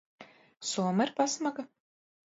Soma ir pasmaga.